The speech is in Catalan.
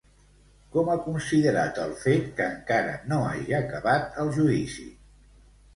Com ha considerat el fet que encara no hagi acabat el judici?